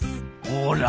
ほら。